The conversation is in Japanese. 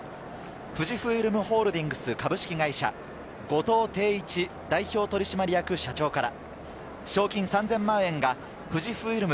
富士フイルムホールディングス株式会社・後藤禎一代表取締役社長から、賞金３０００万円が富士フイルム